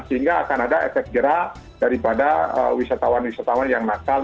sehingga akan ada efek jerah daripada wisatawan wisatawan yang nakal